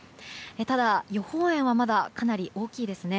ただ、予報円はまだかなり大きいですね。